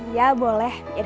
ya boleh ya